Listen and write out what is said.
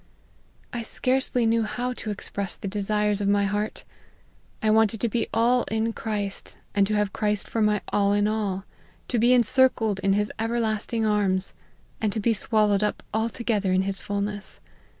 I scarcely knew how to express the desires of my heart. I wanted to be all in Christ, and to have Christ for my ' all in all ;' 1& be encircled in his ^everlasting arms, and to be swallowed up altogether in his fulness.